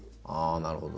なるほど。